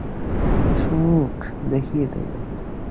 সুখ দেখিয়ে দেব!